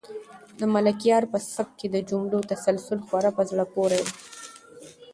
د ملکیار په سبک کې د جملو تسلسل خورا په زړه پورې دی.